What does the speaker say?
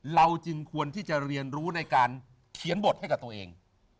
เราจึงควรที่จะเรียนรู้ในการเขียนบทให้กับตัวเอง